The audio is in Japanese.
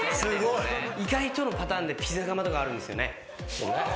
意外とのパターンでピザ窯とかあるんですよね。